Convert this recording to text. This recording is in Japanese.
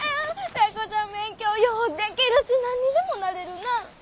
タイ子ちゃん勉強ようでけるし何にでもなれるな。